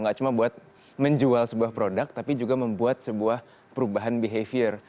gak cuma buat menjual sebuah produk tapi juga membuat sebuah perubahan behavior